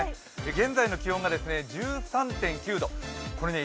現在の気温が１３．９度これね